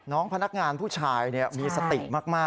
น้องพนักงานผู้ชายเนี่ยมีสติมากนะ